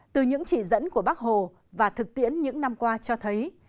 từ những chỉ dẫn của bác hồ và thực tiễn những năm qua cho thấy